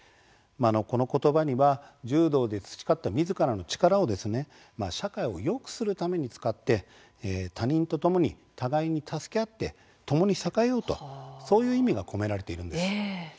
このことばには柔道で培った、みずからの力を社会をよくするために使って他人とともに互いに助け合ってともに栄えようと、そういう意味が込められているんです。